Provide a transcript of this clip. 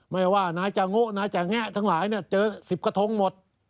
ไม่ว่าไหนจะโง่ไหนจะแงะทั้งหลายเนี่ยเจอสิบกระทงหมด